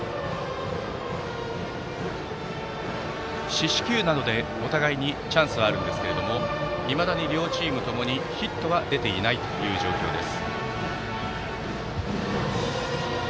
四死球などでお互いにチャンスはあるんですがいまだに両チームともにヒットは出ていない状況です。